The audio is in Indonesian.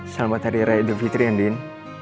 selamat hari rai dulfitri andin